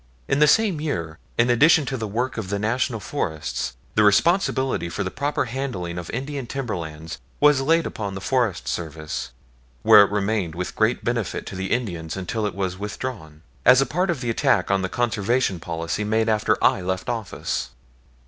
In the same year, in addition to the work of the National Forests, the responsibility for the proper handling of Indian timberlands was laid upon the Forest Service, where it remained with great benefit to the Indians until it was withdrawn, as a part of the attack on the Conservation policy made after I left office.